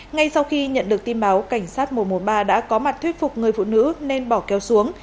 ngay sau khi nhận được tin báo cảnh sát mô mố ba đã có mặt thuyết phục người phụ nữ nên bỏ kéo xuống